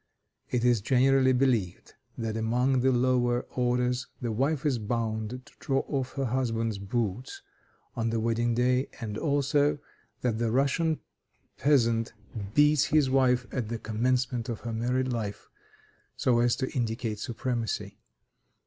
It is generally believed that among the lower orders the wife is bound to draw off her husband's boots on the wedding day, and also that the Russian peasant beats his wife at the commencement of her married life, so as to indicate supremacy.